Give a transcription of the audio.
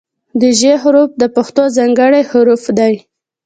د "ژ" حرف د پښتو ځانګړی حرف دی.